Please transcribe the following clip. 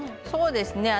そうですね